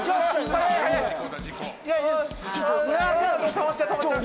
たまっちゃうたまっちゃう。